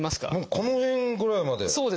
この辺ぐらいまで。